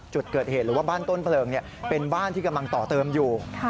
จุดเกิดเหตุหรือว่าบ้านต้นเพลิงเป็นบ้านที่กำลังต่อเติมอยู่